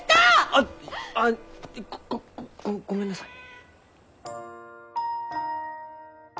あっあごごごめんなさい。